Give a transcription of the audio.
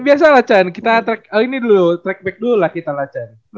biasa lah chan kita track back dulu lah kita lah chan